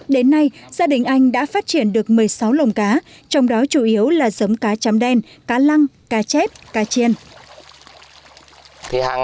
đến nay gia đình anh đã phát triển được một mươi sáu lồng cá trong đó chủ yếu là giống cá chấm đen cá lăng cá chép cá chiên